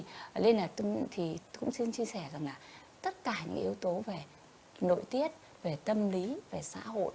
thế nên là cũng xin chia sẻ rằng là tất cả những yếu tố về nội tiết về tâm lý về xã hội